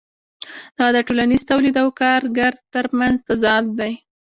دا د ټولنیز تولید او کارګر ترمنځ تضاد دی